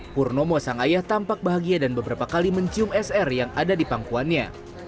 purnomo sang ayah tampak bahagia dan beberapa kali mencium sr yang ada di pangkuannya